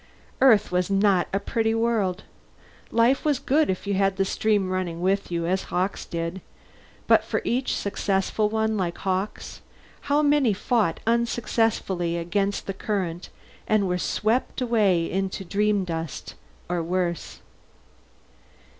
Earth was not a pretty world. Life was good if you had the stream running with you, as Hawkes did but for each successful one like Hawkes, how many fought unsuccessfully against the current and were swept away into dreamdust or worse?